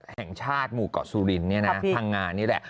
แห่งชาติหมู่กซุรินทร์พังงานนี่แหละ